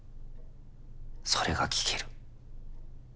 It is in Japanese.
それが聞ける。